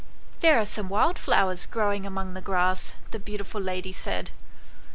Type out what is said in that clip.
" There are some wildflowers growing among the grass," the beautiful lady said.